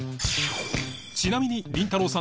ちなみにりんたろー。